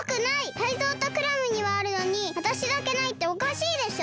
タイゾウとクラムにはあるのにわたしだけないっておかしいでしょ！？